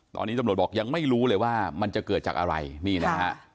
ตอนนี้ตำรวจบอกยังไม่รู้เลยว่ามันจะเกิดจากอะไรนี่นะฮะ